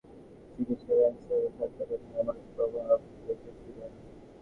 তিনি বৈজ্ঞানিক গবেষণার মাধ্যমে যক্ষার চিকিৎসায় পেনিসিলিন ছত্রাকের নিরাময় প্রভাব দেখিয়েছিলেন।